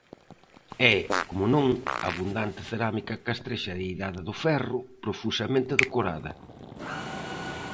E, como non, abundante cerámica castrexa da Idade do Ferro, profusamente decorada.